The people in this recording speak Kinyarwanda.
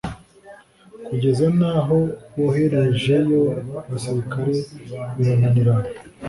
kugeza naho boherejeyo abasirikare birananirana